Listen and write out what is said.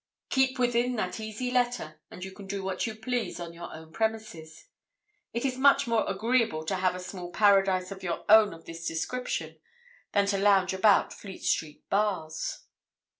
Keep within that easy letter, and you can do what you please on your own premises. It is much more agreeable to have a small paradise of your own of this description than to lounge about Fleet Street bars.